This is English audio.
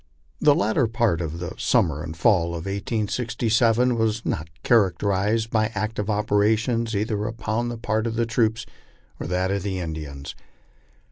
The latter part of the summer and fall of 1867 was not characterized by active operations either upon the part of the troops or that of the Indians.